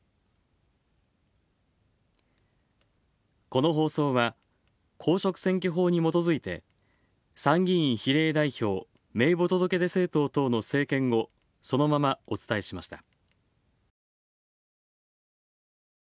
この放送は、公職選挙法にもとづいて参議院比例代表名簿届出政党等の政見をそのままお伝えしました。